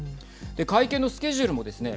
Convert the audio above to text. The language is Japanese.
会見のスケジュールもですね